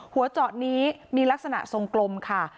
หัวเจาะนี้มีลักษณะทรงกลมค่ะ